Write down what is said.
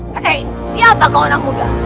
hei siapa kau anak muda